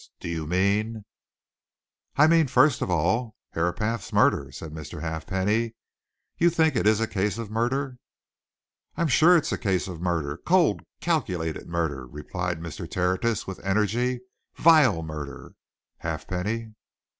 Do you mean " "I mean, first of all, Herapath's murder," said Mr. Halfpenny. "You think it is a case of murder?" "I'm sure it's a case of murder cold, calculated murder," replied Mr. Tertius, with energy. "Vile murder, Halfpenny."